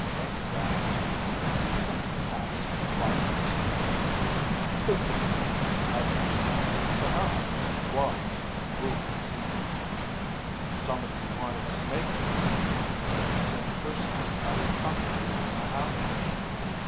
"Exactly. Do you think perhaps White was killed?" "Could be, I guess. But how, and why, and who?" "Somebody who wanted Snake killed. Maybe the same person who cut his tongue out a year and a half ago."